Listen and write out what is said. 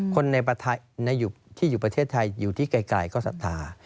คนที่อยู่ประเทศไทยอยู่ที่ไกลก็ศรัทธา